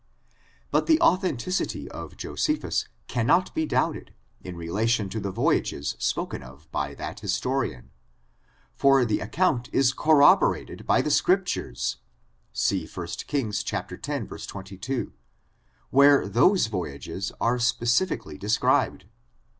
But the authenticity of Josephus cannot be doubt ed, in relation to the voyages spoken of by that his torian, for the account is corroborated by the Scrip tures : see 1 Kings x, 22, where those voyages are specifically described.